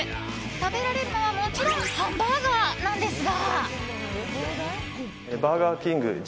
食べられるのは、もちろんハンバーガーなんですが。